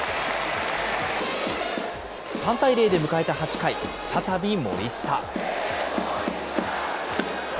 ３対０で迎えた８回、再び森下。